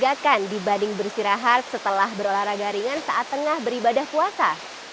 lebih melegakan dibanding bersirahat setelah berolahraga ringan saat tengah beribadah puasa